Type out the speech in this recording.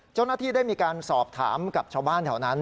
เจ้าหน้าที่ได้มีการสอบถามกับชาวบ้านแถวนั้น